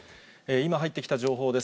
今、入ってきた情報です。